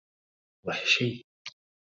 وحشي!